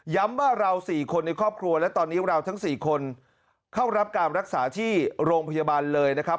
ว่าเรา๔คนในครอบครัวและตอนนี้เราทั้ง๔คนเข้ารับการรักษาที่โรงพยาบาลเลยนะครับ